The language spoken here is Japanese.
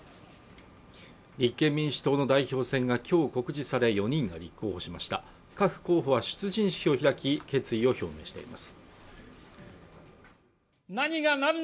立憲民主党の代表選が今日告示され４人が立候補しました各候補は出陣式を開き決意を表明しています